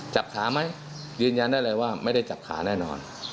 จับขาไหมยืนยันได้เลยว่าไม่ได้จับขาแน่นอน